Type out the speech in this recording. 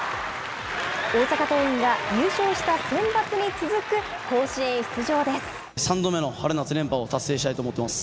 大阪桐蔭が、優勝したセンバツに続く、甲子園出場です。